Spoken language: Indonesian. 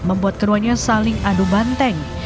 membuat keduanya saling adu banteng